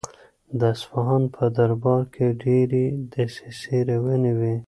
د اصفهان په دربار کې ډېرې دسیسې روانې وې.